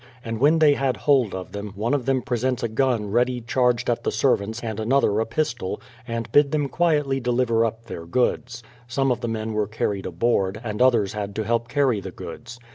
And when they had hold of them, one of them presents a gun ready charged at the servants and another a pistol, and bid them quietly deliver up their goods. Some of the men were carried aboard, and others had to help carry the goods.